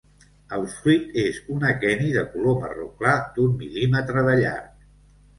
El fruit és un aqueni de color marró clar d'un mil·límetre de llarg.